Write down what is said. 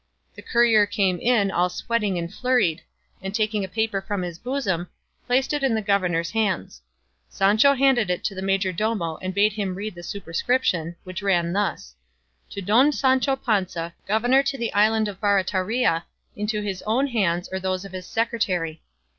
The courier came in all sweating and flurried, and taking a paper from his bosom, placed it in the governor's hands. Sancho handed it to the majordomo and bade him read the superscription, which ran thus: To Don Sancho Panza, Governor of the Island of Barataria, into his own hands or those of his secretary.